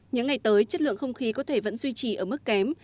những ngày tới chất lượng không khí có thể vẫn duy trì ở mức kém